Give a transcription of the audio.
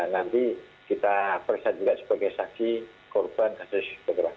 nanti kita periksa juga sebagai saksi korban kasus kekerasan